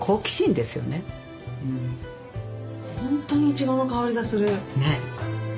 本当にいちごの香りがする。